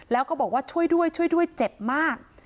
แล้วก็บอกว่าช่วยด้วยช่วยด้วยเจ็บมาก